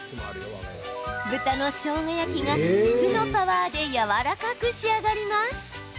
豚のしょうが焼きが酢のパワーでやわらかく仕上がります。